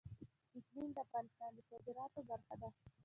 اقلیم د افغانستان د صادراتو برخه ده.